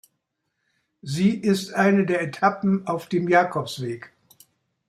Sie ist eine der Etappen auf dem Jakobsweg.